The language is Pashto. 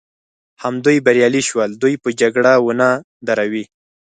همدوی بریالي شول، دوی به جګړه ونه دروي.